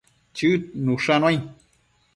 Chëd nushannuai